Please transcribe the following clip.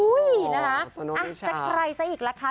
อู้ยน่า